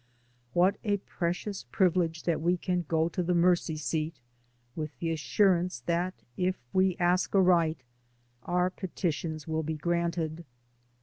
What a precious privilege that we can go to the Mercy seat with the assurance that if we ask aright our petitions will be granted.